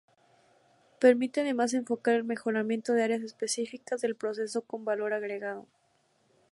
Permite además, enfocar el mejoramiento de áreas específicas del proceso con valor agregado.